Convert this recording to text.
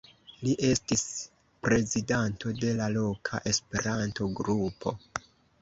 Li estis prezidanto de la loka Esperanto-grupo.